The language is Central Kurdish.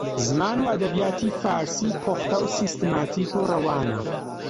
زمان و ئەدەبیاتی فارسی پوختە و سیستەماتیک و ڕەوانە